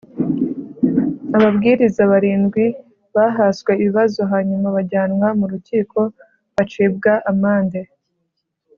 Ababwiriza barindwi bahaswe ibibazo hanyuma bajyanwa mu rukiko bacibwa amande